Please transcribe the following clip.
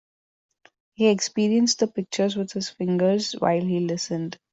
He experienced the pictures with his fingers while he listened.